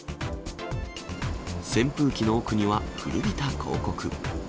扇風機の奥には古びた広告。